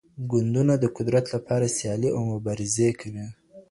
ګوندونه د قدرت لپاره سيالۍ او مبارزې کوي.